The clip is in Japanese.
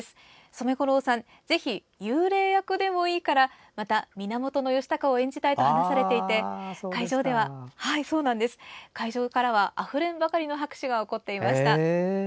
染五郎さん、ぜひ幽霊役でもいいからまた源義高役を演じたいと話していて会場からはあふれんばかりの拍手が起こっていました。